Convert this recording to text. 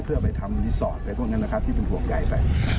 เพื่อไปทำรีสอร์ทอะไรพวกนั้นนะครับที่เป็นห่วงใยไป